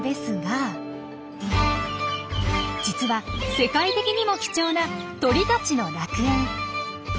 実は世界的にも貴重な鳥たちの楽園。